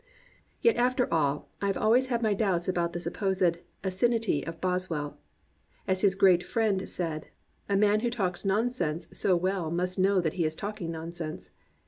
Yet after all, I have always had my doubts about 311 COMPANIONABLE BOOKS the supposed "asininity" of Boswell. As his Great Friend said, "A man who talks nonsense so well must know that he is talking nonsense."